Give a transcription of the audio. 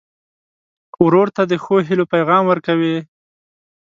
ورور ته د ښو هيلو پیغام ورکوې.